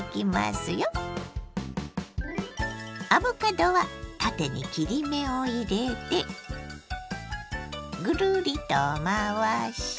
アボカドは縦に切り目を入れてぐるりと回して。